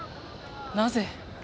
なぜ？